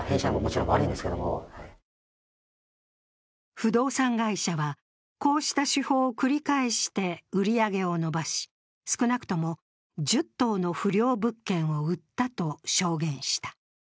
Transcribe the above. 不動産会社は、こうした手法を繰り返して売り上げを伸ばし少なくとも１０棟の不良物件を売ったと証言した。